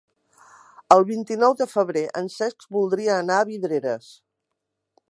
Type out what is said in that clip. El vint-i-nou de febrer en Cesc voldria anar a Vidreres.